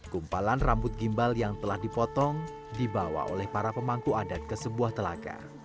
kumpalan rambut gimbal yang telah dipotong dibawa oleh para pemangku adat ke sebuah telaga